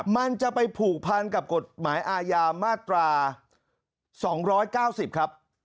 มันจะไปผูกพันกับกฎหมายอาญามาตรา๒๙๐ครับ